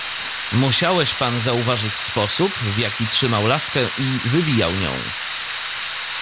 "Musiałeś pan zauważyć sposób, w jaki trzymał laskę i wywijał nią."